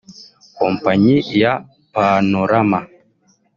Kompanyi ya Panorama